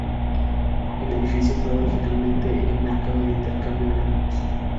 El edificio fue originalmente el mercado de intercambio de granos.